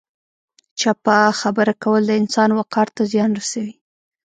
چپه خبره کول د انسان وقار ته زیان رسوي.